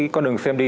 con đường xem đi